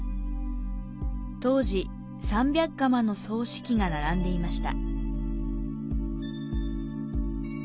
当時、３００釜の繰糸器が並んでいました。